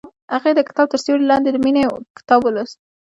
هغې د کتاب تر سیوري لاندې د مینې کتاب ولوست.